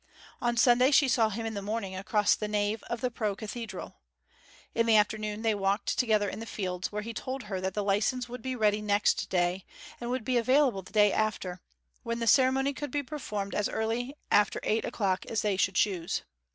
On Sunday she saw him in the morning across the nave of the pro cathedral. In the afternoon they walked together in the fields, where he told her that the licence would be ready next day, and would be available the day after, when the ceremony could be performed as early after eight o'clock as they should choose.